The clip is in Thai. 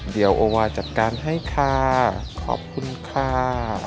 เดี๋ยวโอวาจัดการให้ค่ะขอบคุณค่ะ